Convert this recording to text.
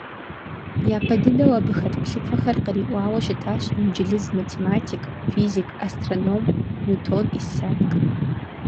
Япэ дыдэу абы хэт плъыфэхэр къриӏуауэ щытащ инджылыз математик, физик, астроном Ньютон Исаак.